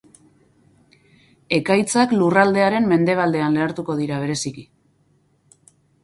Ekaitzak lurraldearen mendebaldean lehertuko dira bereziki.